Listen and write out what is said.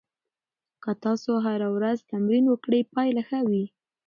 که تاسو هره ورځ تمرین وکړئ، پایله ښه وي.